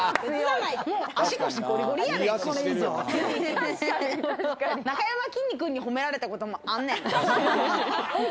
なかやまきんに君に褒められたこともあんねん。